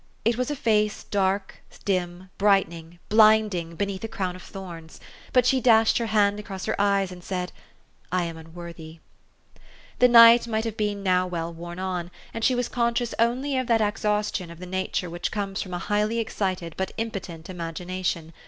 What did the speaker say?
It was a Face dark, dim, brightening, blinding, beneath a crown of thorns ; but she dashed her hand across her eyes, and said, " I am unworthy." The night might have been now well worn on, and she was conscious only of that exhaustion of the nature which comes from a highly excited but impotent imagination.